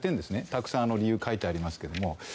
たくさん理由が書いてありますけど。